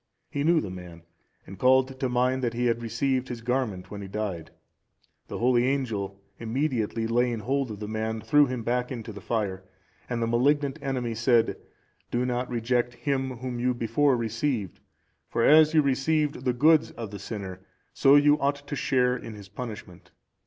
He knew the man, and called to mind that he had received his garment when he died. The holy angel, immediately laying hold of the man, threw him back into the fire, and the malignant enemy said, "Do not reject him whom you before received; for as you received the goods of the sinner, so you ought to share in his punishment."